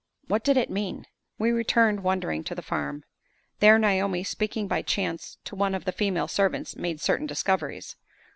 What did it mean? We returned, wondering, to the farm. There Naomi, speaking by chance to one of the female servants, made certain discoveries.